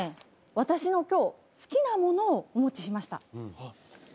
私の今日好きなものをお持ちしました。